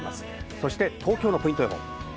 そして、東京のポイント予報。